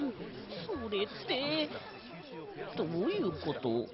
それってどういうこと？